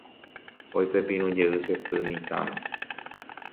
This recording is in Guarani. Oipepirũjey che sy mitãme.